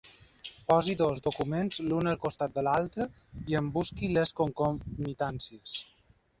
Posi dos documents l'un al costat de l'altre i en busqui les concomitàncies.